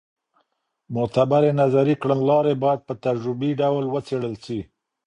معتبرې نظري کړنلارې باید په تجربي ډول وڅېړل سي.